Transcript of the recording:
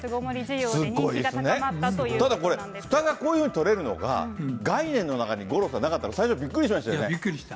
ただこれ、ふたがこういうふうに取れるのが、概念の中に、五郎さんなかったから、最初、びっくりしましたよね。